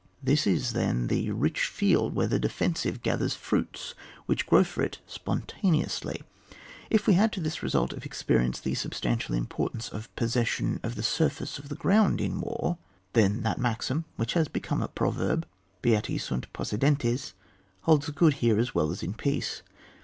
This is then the rich field where the defensive gathers fruits which grow for it spontaneously. If we add to Uiis result of experience the substantial importance of the possession of the sur face of the ground in war, then that maxim which has become a proverb, heaii sunt possidentes, holds good here as well as in peace.